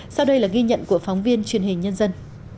sau đây là ghi nhận của phóng viên truyền hình nhân dân